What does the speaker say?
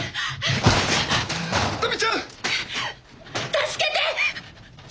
助けて！